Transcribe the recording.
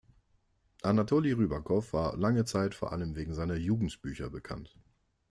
Anatoli Rybakow war lange Zeit vor allem wegen seiner Jugendbücher bekannt.